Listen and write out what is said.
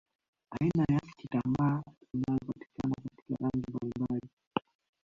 Aina ya kitambaa inayopatikana katika rangi mbalimbali